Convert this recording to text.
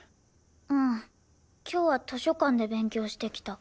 うん今日は図書館で勉強してきた。